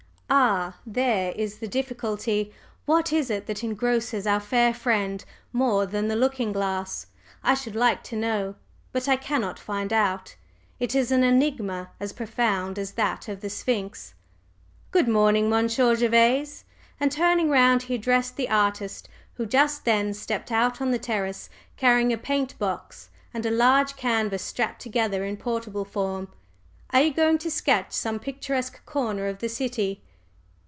"Ah! there is the difficulty! What is it that engrosses our fair friend more than the looking glass? I should like to know but I cannot find out. It is an enigma as profound as that of the Sphinx. Good morning, Monsieur Gervase!" and, turning round, he addressed the artist, who just then stepped out on the terrace carrying a paint box and a large canvas strapped together in portable form. "Are you going to sketch some picturesque corner of the city?"